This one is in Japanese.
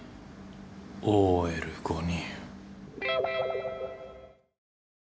ＯＬ５人。